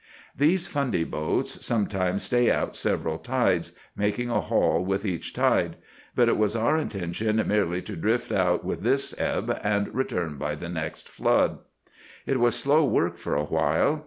"These Fundy boats sometimes stay out several tides, making a haul with each tide; but it was our intention merely to drift out with this ebb, and return by the next flood. "It was slow work for a while.